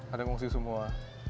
ada ngungsi semua